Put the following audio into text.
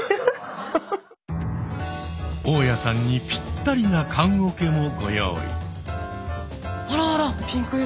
大家さんにぴったりな棺おけもご用意。